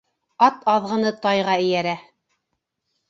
Ат аҙғыны тайға эйәрә